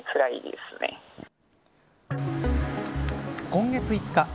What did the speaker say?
今月５日